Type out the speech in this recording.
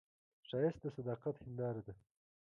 ښایست د صداقت هنداره ده